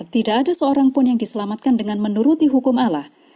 tidak ada seorang pun yang diselamatkan dengan menuruti hukum allah